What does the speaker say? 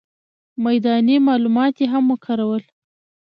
میداني معلومات یې هم وکارول.